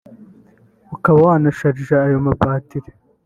ukaba wanasharija ayo mabateri